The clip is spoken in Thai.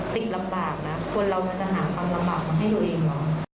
ติดลำบากนะควรเรามาหาความลำบากของให้ตัวเองก็